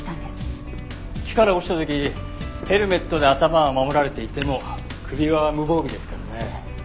木から落ちた時ヘルメットで頭は守られていても首は無防備ですからね。